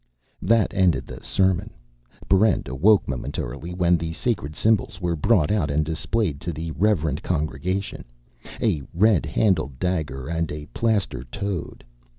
That ended the sermon. Barrent awoke momentarily when the sacred symbols were brought out and displayed to the reverent congregation a red handled dagger, and a plaster toad.